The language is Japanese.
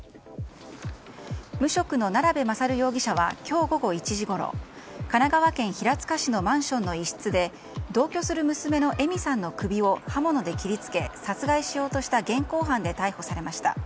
無職の奈良部勝容疑者は今日午後１時ごろ神奈川県平塚市のマンションの一室で同居する娘の枝美さんの首を刃物で切り付け殺害しようとした現行犯で逮捕されました。